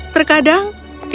terkadang yang diperlukan adalah